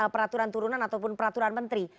peraturan turunan ataupun peraturan menteri